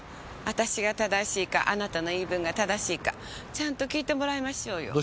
あたしが正しいかあなたの言い分が正しいかちゃんと聞いてもらいましょうよ。